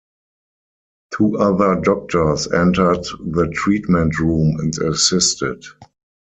Two other doctors entered the treatment room and assisted.